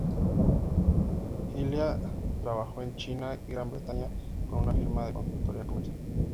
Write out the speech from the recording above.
Ilya trabajó en China y Gran Bretaña con una firma de consultoría comercial.